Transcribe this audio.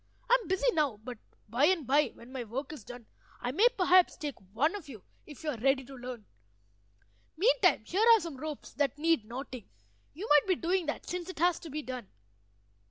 "I am busy now, but by and by, when my work is done, I may perhaps take one of you if you are ready to learn. Meantime here are some ropes that need knotting; you might be doing that, since it has to be done."